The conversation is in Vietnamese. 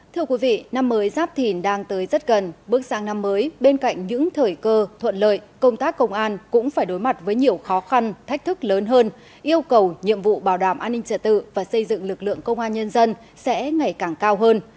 thưa quý vị năm mới giáp thìn đang tới rất gần bước sang năm mới bên cạnh những thời cơ thuận lợi công tác công an cũng phải đối mặt với nhiều khó khăn thách thức lớn hơn yêu cầu nhiệm vụ bảo đảm an ninh trật tự và xây dựng lực lượng công an nhân dân sẽ ngày càng cao hơn